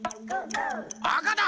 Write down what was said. あかだ。